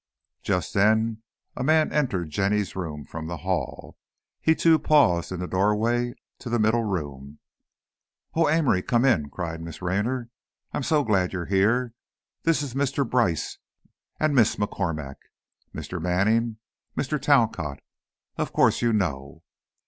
Just then a man entered Jenny's room, from the hall. He, too, paused in the doorway to the middle room. "Oh, Amory, come in!" cried Miss Raynor. "I'm so glad you're here. This is Mr. Brice, and Miss MacCormack, Mr. Manning. Mr. Talcott, of course you know."